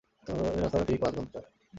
তবে রাস্তাটা কিন্তু পাঁচ ঘন্টার।